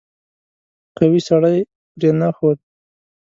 قوي سړی پرې نه ښود.